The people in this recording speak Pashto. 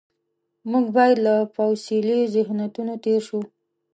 موږ باید له فوسیلي ذهنیتونو تېر شو.